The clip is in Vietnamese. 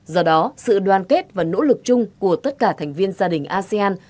do đó sự đoàn kết và nỗ lực chung của tất cả thành viên gia đình asean